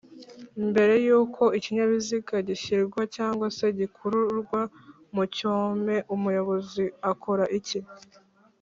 mbere y’uko ikinyabiziga gishyirwa cg se gikururwa mu cyome umuyobozi akora iki